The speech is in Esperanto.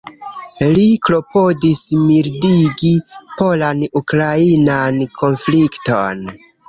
Li klopodis mildigi polan-ukrainan konflikton.